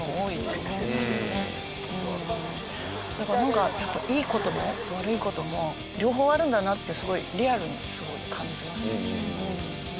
だからやっぱいい事も悪い事も両方あるんだなってすごいリアルにすごい感じました。